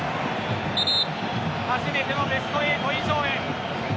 初めてのベスト８以上へ。